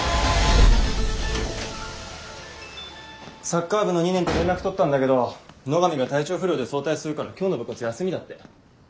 サッカー部の２年と連絡取ったんだけど野上が体調不良で早退するから今日の部活休みだって。